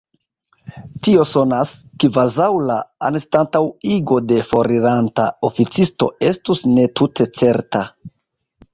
Tio sonas, kvazaŭ la anstataŭigo de foriranta oficisto estus ne tute certa.